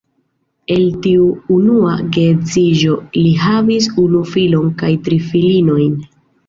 El tiu unua geedziĝo li havis unu filon kaj tri filinojn.